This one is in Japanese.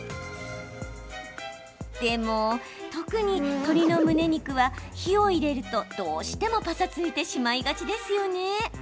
でも、特に、鶏のむね肉は火を入れると、どうしてもぱさついてしまいがちですよね。